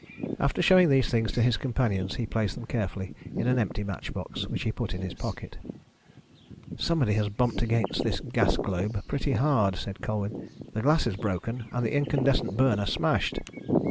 After showing these things to his companions he placed them carefully in an empty match box, which he put in his pocket. "Somebody has bumped against this gas globe pretty hard," said Colwyn. "The glass is broken and the incandescent burner smashed."